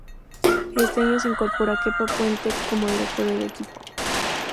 Este año se incorpora Kepa Puente como director del equipo.